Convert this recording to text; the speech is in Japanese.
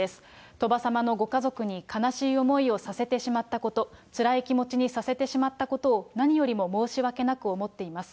鳥羽様のご家族に悲しい思いをさせてしまったこと、つらい気持ちにさせてしまったことを、何よりも申し訳なく思っています。